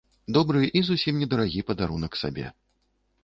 Добры і зусім не дарагі падарунак сабе.